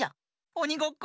おにごっこ？